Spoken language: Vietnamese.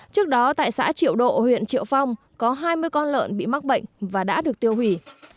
trước đó tại xã triệu độ huyện triệu phong có hai mươi con lợn bị mắc bệnh và đã được tiêu hủy